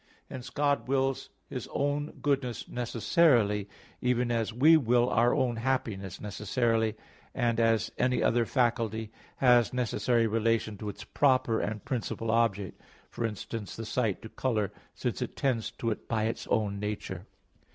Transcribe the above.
Hence God wills His own goodness necessarily, even as we will our own happiness necessarily, and as any other faculty has necessary relation to its proper and principal object, for instance the sight to color, since it tends to it by its own nature.